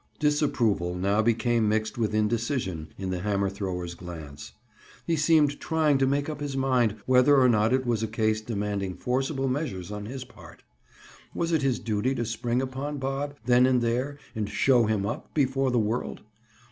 Disapproval now became mixed with indecision in the hammer thrower's glance. He seemed trying to make up his mind whether or not it was a case demanding forcible measures on his part. Was it his duty to spring upon Bob, then and there, and "show him up" before the world?